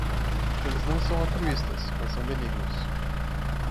Eles não são altruístas, mas são benignos.